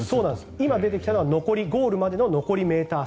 今出てきたのはゴールまでの残りのメートル。